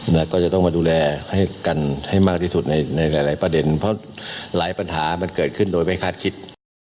แล้วก็จะต้องมาดูแลให้กันให้มากที่สุดในในหลายประเด็นเพราะหลายปัญหามันเกิดขึ้นโดยไม่คาดคิด